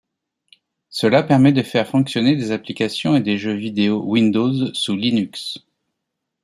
Cela permet de faire fonctionner des applications et des jeux vidéo Windows sous Linux.